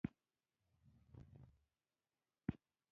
میدان لویو پانګوالو ته پاتې کیږي.